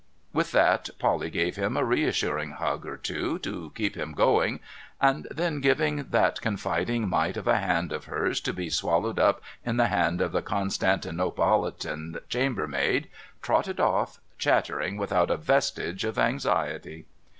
With that, Polly gave him a reassuring hug or two to keep him going, and then giving that confiding mite of a hand of hers to be swallowed up in the hand of the Constantinopolitan chambermaid, trotted off, chattering, without a vestige of anxiety.